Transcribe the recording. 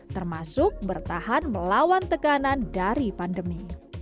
termasuk bertahan melawan tekanan dari pandemi